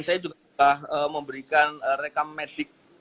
saya juga memberikan rekam medik